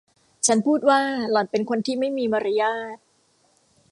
ฉันพูดว่าหล่อนเป็นคนที่ไม่มีมารยาท